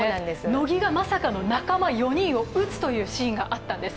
乃木がまさかの仲間４人を撃つというシーンがあったんです。